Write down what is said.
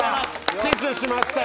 死守しましたよ。